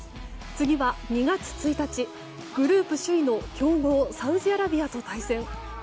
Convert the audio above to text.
次は２月１日グループ首位の強豪サウジアラビアと対戦。